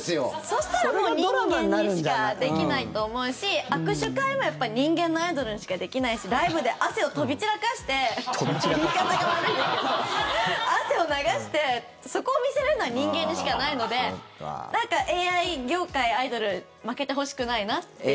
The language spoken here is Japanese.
そしたらもう人間にしかできないと思うし握手会もやっぱり人間のアイドルにしかできないしライブで汗を飛び散らかして言い方が悪いですけど汗を流して、そこを見せれるのは人間にしかないのでＡＩ業界、アイドル負けてほしくないなっていう気持ちが。